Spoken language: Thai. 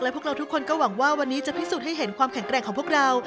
พวกเราทุกคนก็หวังว่าวันนี้จะพิสูจน์ให้เห็นความแข็งแกร่งของพวกเรา